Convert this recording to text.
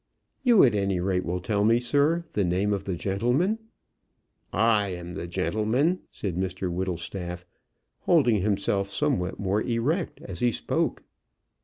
"You at any rate will tell me, sir, the name of the gentleman." "I am the gentleman," said Mr Whittlestaff, holding himself somewhat more erect as he spoke.